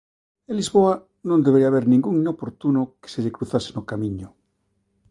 En Lisboa non debería haber ningún inoportuno que se lle cruzase no camiño.